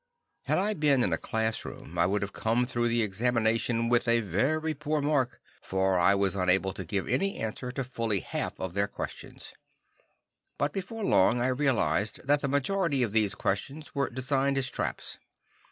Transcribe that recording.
Had I been in a classroom, I would have come through the examination with a very poor mark, for I was unable to give any answer to fully half of their questions. But before long I realized that the majority of these questions were designed as traps.